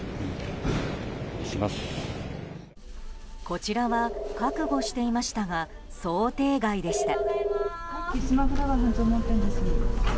こちらは覚悟していましたが想定外でした。